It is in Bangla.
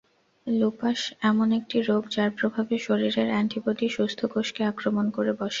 লুপাস এমন একটি রোগ যার প্রভাবে শরীরের অ্যান্টিবডি সুস্থ কোষকে আক্রমণ করে বসে।